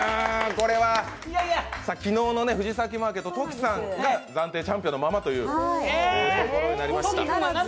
これは昨日の藤崎マーケット・トキさんが暫定チャンピオンのままということになりました。